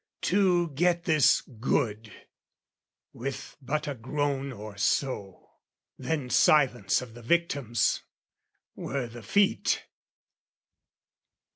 To get this good, with but a groan or so, Then, silence of the victims, were the feat.